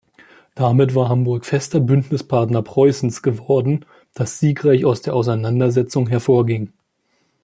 Damit war Hamburg fester Bündnispartner Preußens geworden, das siegreich aus der Auseinandersetzung hervorging.